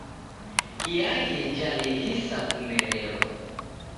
Iaghi jalighisa kumerelwa.